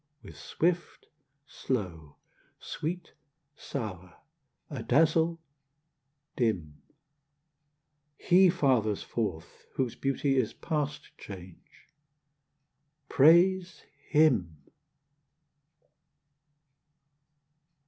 With swift, slow; sweet, sour; adazzle, dim; He fathers forth whose beauty is past change: Praise him.